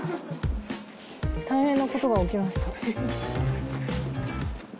大変なことが起きました。